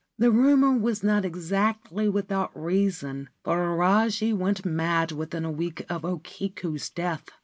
The rumour was not exactly without reason, for Ajari went mad within a week of O Kiku's death.